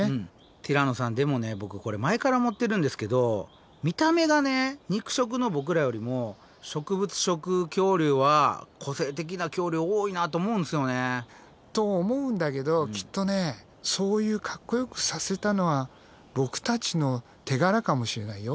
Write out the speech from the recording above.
ティラノさんでもねボクこれ前から思ってるんですけど見た目がね肉食のボクらよりも植物食恐竜は個性的な恐竜多いなと思うんですよね。と思うんだけどきっとねそういうかっこよくさせたのはボクたちの手柄かもしれないよ。